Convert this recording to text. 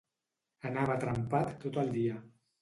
Anava trempat tot el dia.